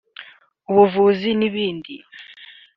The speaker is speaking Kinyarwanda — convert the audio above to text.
ubuvuzi n’ibindi